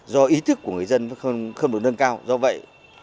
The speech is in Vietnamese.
do ý thức của người dân không được nâng cao do vậy